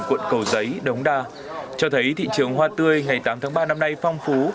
quận cầu giấy đống đa cho thấy thị trường hoa tươi ngày tám tháng ba năm nay phong phú